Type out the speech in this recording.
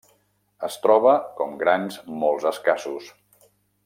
Es troba com grans molt escassos.